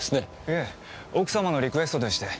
いえ奥様のリクエストでして。